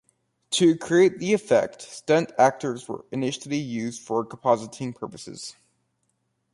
To create the effect, stunt actors were initially used for compositing purposes.